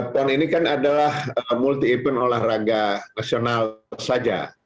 pon ini kan adalah multi event olahraga nasional saja